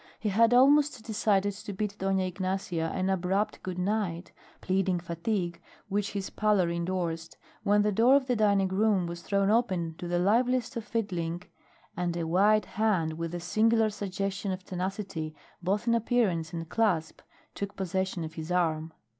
He had almost decided to bid Dona Ignacia an abrupt good night, pleading fatigue, which his pallor indorsed, when the door of the dining room was thrown open to the liveliest of fiddling, and a white hand with a singular suggestion of tenacity both in appearance and clasp took possession of his arm.